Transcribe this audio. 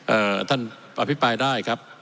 เอ่อท่านอภิปรายได้ครับ